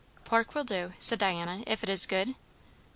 "Pork will do," said Diana, "if it is good.